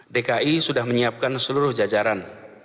dki sudah menyiapkan seluruh jajaran